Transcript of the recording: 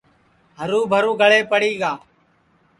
ہرُو بھرو گݪے پڑی گا